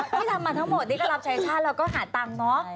ที่ทำมาทั้งหมดนี่ก็รับใช้ชาติแล้วก็หาตังค์เนาะ